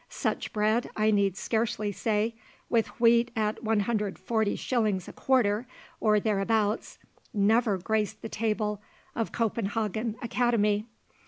Such bread, I need scarcely say, with wheat at 140 shillings a quarter, or thereabouts, never graced the table of Copenhagen Academy.